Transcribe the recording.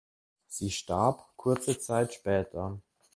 Sie starb kurze Zeit später.